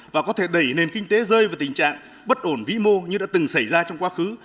và có thể đẩy nền kinh tế rơi vào tình trạng bất ổn vĩ mô như đã từng xảy ra trong quá khứ